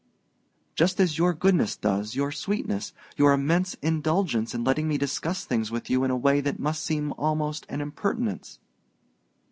"Just as your goodness does, your sweetness, your immense indulgence in letting me discuss things with you in a way that must seem almost an impertinence."